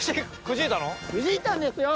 くじいたんですよ！